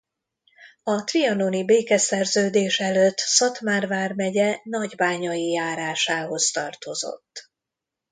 A trianoni békeszerződés előtt Szatmár vármegye nagybányai járásához tartozott.